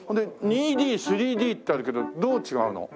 ２Ｄ３Ｄってあるけどどう違うの？